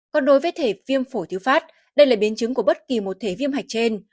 còn đối với thể viêm phổi thứ phát đây là biến chứng của bất kỳ một thể viêm hạch trên